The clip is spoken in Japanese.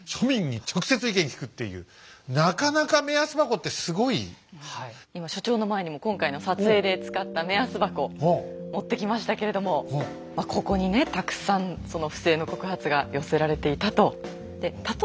なかなか今所長の前にも今回の撮影で使った目安箱持ってきましたけれどもここにねたくさんその不正の告発が寄せられていたと。